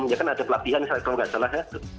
ya kan ada pelatihan kalau nggak salah ya